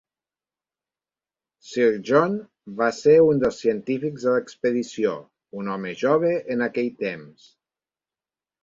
Sir John va ser un dels científics de l'expedició, un home jove en aquell temps.